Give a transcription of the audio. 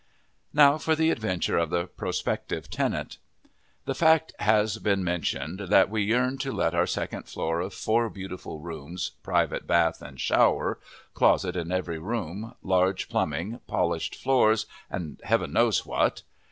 Now for the Adventure of the Prospective Tenant. The fact has been mentioned that we yearned to let our second floor of four beautiful rooms, private bath and shower, closet in every room, large plumbing, polished floors and heaven knows what.